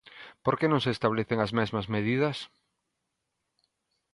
¿Por que non se establecen as mesmas medidas?